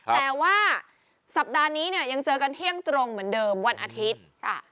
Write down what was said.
แต่ว่าสัปดาห์นี้เนี่ยยังเจอกันเที่ยงตรงเหมือนเดิมวันอาทิตย์